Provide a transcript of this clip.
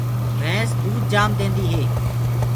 ڀيسينٚ دود جآم دينديو هينٚ۔